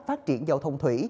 phát triển giao thông thủy